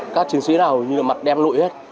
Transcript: các chiến sĩ là hầu như mặt đem lụi hết